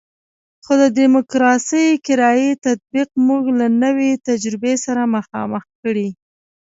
خو د ډیموکراسي کرایي تطبیق موږ له نوې تجربې سره مخامخ کړی.